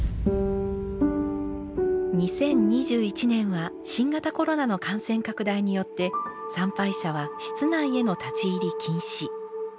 ２０２１年は新型コロナの感染拡大によって参拝者は室内への立ち入り禁止。